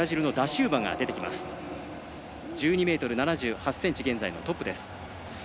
１２ｍ７８ｃｍ、現在のトップ。